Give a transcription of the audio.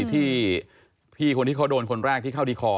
ที่พี่คนที่เขาโดนคนแรกที่เข้าที่คอ